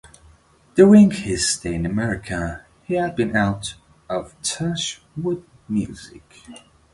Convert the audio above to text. During his stay in America, he had been out of touch with music.